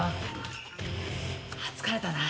疲れたな。